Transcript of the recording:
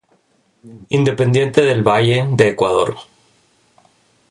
Independiente del Valle, de Ecuador.